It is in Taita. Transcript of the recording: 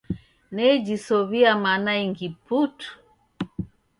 Nejisow'ia mana ingi putu.